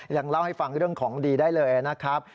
ยังเล่าให้ฟังเรื่องของดีได้เลยนะครับ